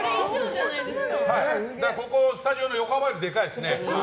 スタジオの横幅よりでかいですね。